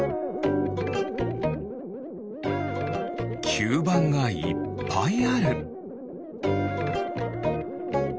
きゅうばんがいっぱいある。